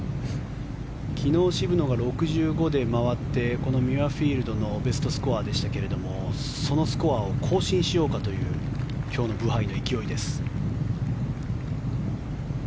昨日、渋野が６５で回ってミュアフィールドのベストスコアでしたがそのスコアを更新しようかという今日のブハイの勢いです。